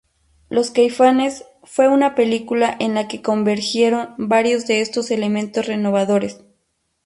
Los caifanes fue una película en la que convergieron varios de estos elementos renovadores.